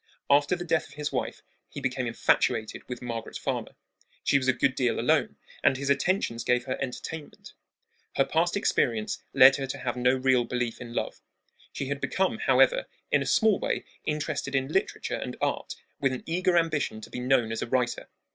After the death of his wife he became infatuated with Margaret Farmer. She was a good deal alone, and his attentions gave her entertainment. Her past experience led her to have no real belief in love. She had become, however, in a small way interested in literature and art, with an eager ambition to be known as a writer.